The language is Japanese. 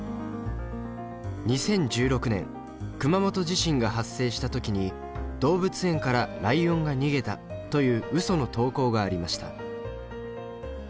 ２０１６年熊本地震が発生した時に動物園からライオンが逃げたといううその投稿がありました。